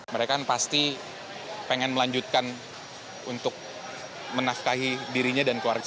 mereka pasti ingin melanjutkan untuk menafkahi dirinya dan keluarga